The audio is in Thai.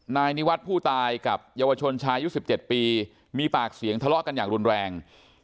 นายนิวัฒน์ผู้ตายกับเยาวชนชายุ๑๗ปีมีปากเสียงทะเลาะกันอย่างรุนแรง